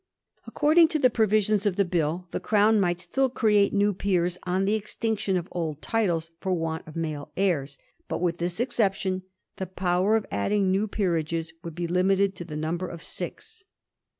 Accordiug to the provisions of the Bill^ the Crown might still create new Peers on the ex tinction of old titles for want of male heirs ; but, with this exception, the power of adding new peerages would be limited to the number of six.